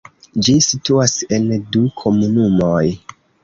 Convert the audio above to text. Ĝi situas en du komunumoj.